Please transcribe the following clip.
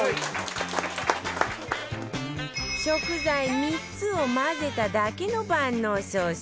食材３つを混ぜただけの万能ソース